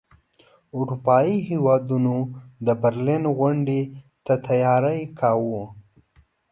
اروپايي هیوادونو د برلین غونډې ته تیاری کاوه.